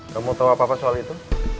kamu tahu apa apa soal itu